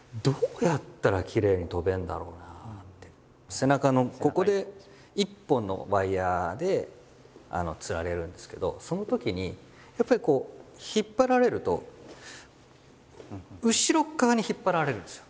背中のここで一本のワイヤーでつられるんですけどそのときにやっぱりこう引っ張られると後ろ側に引っ張られるんですよ